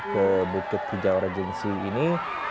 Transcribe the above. ke bukit hijau regensi ini